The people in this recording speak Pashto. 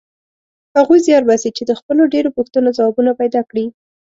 هغوی زیار باسي چې د خپلو ډېرو پوښتنو ځوابونه پیدا کړي.